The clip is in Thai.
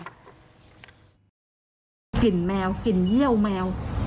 กลิ่นแมวกลิ่นเยี่ยวแมว